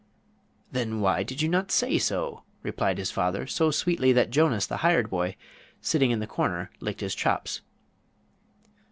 "Then why did you not say so?" replied his father, so sweetly that Jonas, the hired boy, sitting in the corner, licked his chops.